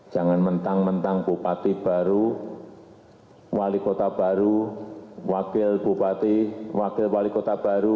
jangan mentang mentang bupati baru wali kota baru wakil bupati wakil wali kota baru